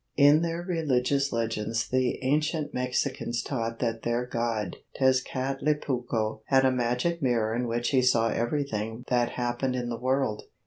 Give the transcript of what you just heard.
In their religious legends the ancient Mexicans taught that their god Tezcatlipuco had a magic mirror in which he saw everything that happened in the world.